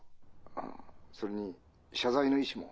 ☎ああそれに謝罪の意思も。